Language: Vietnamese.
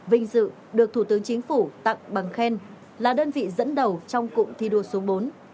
vinh dự được thủ tướng chính phủ tặng bằng khen là đơn vị dẫn đầu trong cụm thi đua số bốn